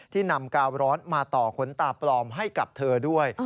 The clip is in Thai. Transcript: นำกาวร้อนมาต่อขนตาปลอมให้กับเธอด้วย